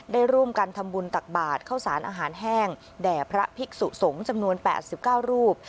ได้ร่วมกันทำบุญตักบาทเข้าสารอาหารแห้งแด่พระภิกษุสงฆ์จำนวน๘๙รูป